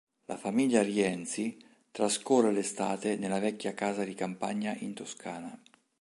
La famiglia Rienzi trascorre l'estate nella vecchia casa di campagna in Toscana.